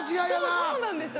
そうなんですよ。